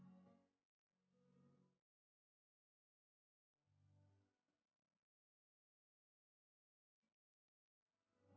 haag patricia kalau tiranya kita bersatuade